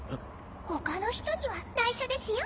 他の人には内緒ですよ。